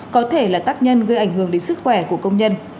có thể là tác nhân gây ảnh hưởng đến sức khỏe của công nhân